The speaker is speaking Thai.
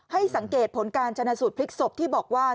ให้สังเกตผลการชนะสูตรพลิกศพที่บอกว่า